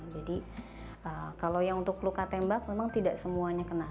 jadi kalau yang untuk luka tembak memang tidak semuanya kena